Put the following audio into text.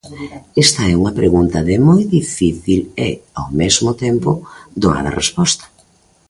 Esta é unha pregunta de moi difícil e, ao mesmo tempo doada resposta.